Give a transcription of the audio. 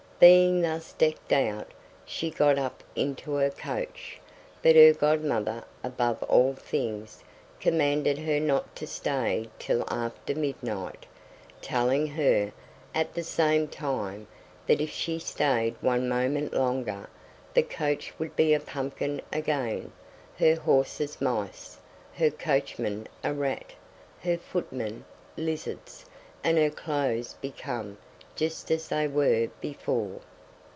Being thus decked out, she got up into her coach; but her godmother, above all things, commanded her not to stay till after midnight, telling her, at the same time, that if she stayed one moment longer, the coach would be a pumpkin again, her horses mice, her coachman a rat, her footmen lizards, and her clothes become just as they were before.